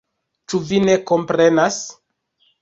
Ĉu vi ne komprenas?